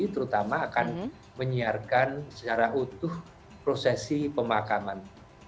terutama akan menyiarkan secara utuh prosesi pemakaman